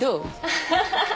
アハハハ！